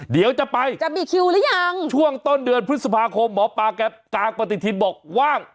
เดี๋ยวจะไปจะมีคิวหรือยังช่วงต้นเดือนพฤษภาคมหมอปลาแกกางปฏิทินบอกว่าง